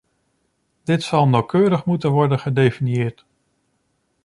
Dit zal nauwkeurig moeten worden gedefinieerd.